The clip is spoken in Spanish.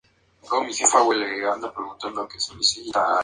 Aún no lanzado, el video fue puesto a disposición del público.